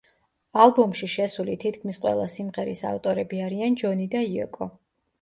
ალბომში შესული თითქმის ყველა სიმღერის ავტორები არიან ჯონი და იოკო.